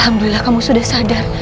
alhamdulillah kamu sudah sadar